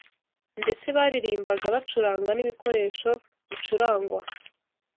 ndetse babiririmbaga bacuranga n’ibikoresho bicurangwa,